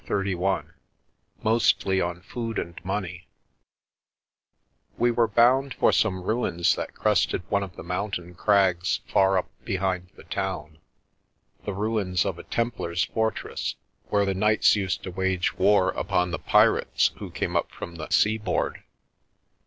CHAPTER XXXI MOSTLY ON FOOD AND MONEY WE were bound for some ruins that crested one of the mountain :crags far up behind the town, the ruins of a Templars' fortress, where the knights used to wage war upon the pirates who came up from the sea board.